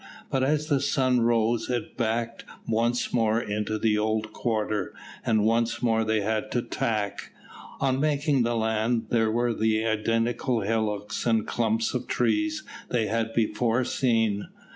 But as the sun rose, it backed once more into its old quarter, and once more they had to tack. On making the land, there were the identical hillocks and clumps of trees they had before seen.